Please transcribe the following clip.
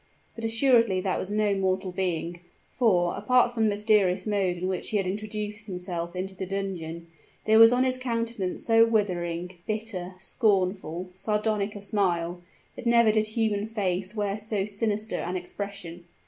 But assuredly that was no mortal being; for, apart from the mysterious mode in which he had introduced himself into the dungeon, there was on his countenance so withering bitter scornful sardonic a smile, that never did human face wear so sinister an expression.